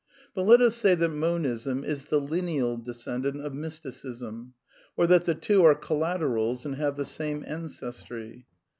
But let us say that Monism is the lineal descendant of Mysticism, or that the two are collaterals and have the same ancestry.